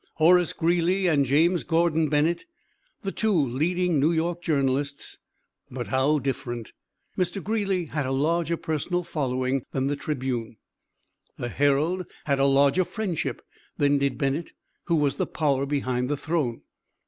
Horace Greeley and James Gordon Bennett, the two leading New York journalists, but how different. Mr. Greeley had a larger personal following than the Tribune; the Herald had a larger friendship than did Bennett who was the power behind the throne.